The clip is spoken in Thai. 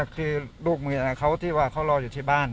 คือลูกเมียเขาที่ว่าเขารออยู่ที่บ้าน